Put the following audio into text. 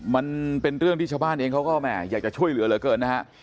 มันเป็นเรื่องที่ชาวบ้านเองเขาก็แห่อยากจะช่วยเหลือเหลือเกินนะฮะ